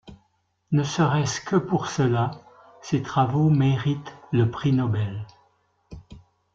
Ne serait-ce que pour cela, ses travaux méritent le Prix Nobel.